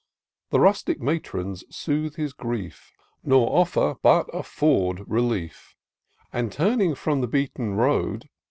The rustic matrons sooth his grief, Nor offer, but afford relief; And, tiurning from the beaten road.